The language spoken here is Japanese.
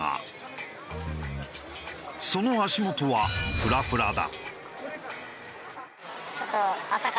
その足元はフラフラだ。